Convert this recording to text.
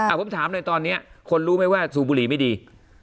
ผมถามเลยตอนนี้คนรู้ไหมว่าสูบบุหรี่ไม่ดี